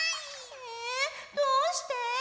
えどうして？